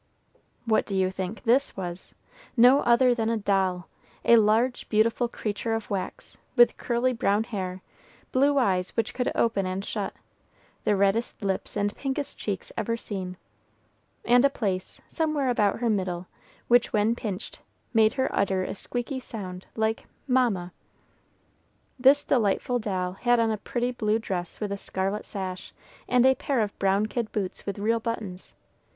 What do you think "this" was? No other than a doll! A large, beautiful creature of wax, with curly brown hair, blue eyes which could open and shut, the reddest lips and pinkest cheeks ever seen, and a place, somewhere about her middle, which, when pinched, made her utter a squeaky sound like "Mama." This delightful doll had on a pretty blue dress with a scarlet sash, and a pair of brown kid boots with real buttons.